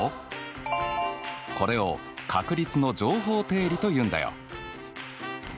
これを確率の乗法定理というんだよ。